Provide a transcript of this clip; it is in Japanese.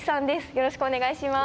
よろしくお願いします。